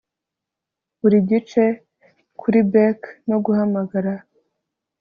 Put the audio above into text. buri gihe kuri beck no guhamagara